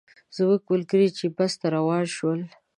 زموږ ملګري چې بس ته روان شول.